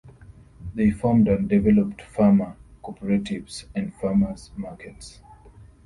They formed and developed farmer cooperatives and farmers markets.